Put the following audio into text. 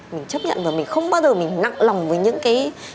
mình chấp nhận và mình không bao giờ mình nặng lòng với những cái việc đấy cả